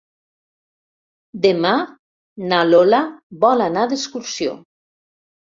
Demà na Lola vol anar d'excursió.